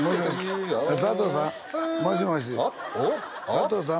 佐藤さん？」